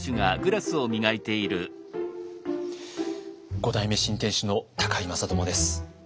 五代目新店主の高井正智です。